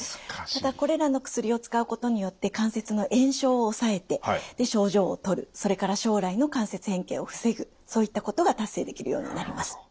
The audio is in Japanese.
ただこれらの薬を使うことによって関節の炎症を抑えて症状をとるそれから将来の関節変形を防ぐそういったことが達成できるようになります。